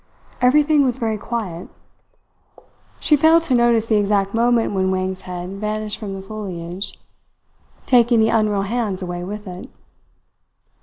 Everything was very quiet. She failed to notice the exact moment when Wang's head vanished from the foliage, taking the unreal hands away with it.